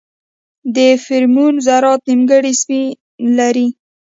د فرمیون ذرات نیمګړي سپین لري.